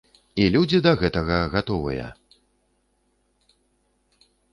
І людзі да гэтага гатовыя.